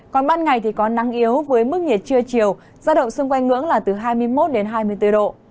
còn ban ngày thì có nắng yếu với mức nhiệt trưa chiều giao động xung quanh ngưỡng là từ hai mươi một đến hai mươi bốn độ